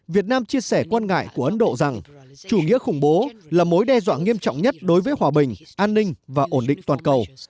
việt nam chia sẻ quan ngại của ấn độ rằng chủ nghĩa khủng bố là mối đe dọa nghiêm trọng nhất đối với hòa bình an ninh và ổn định toàn cầu